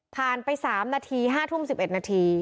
ไป๓นาที๕ทุ่ม๑๑นาที